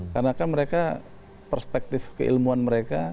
karena kan mereka perspektif keilmuan mereka